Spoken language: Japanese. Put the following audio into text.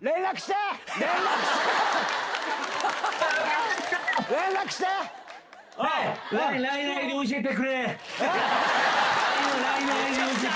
連絡して！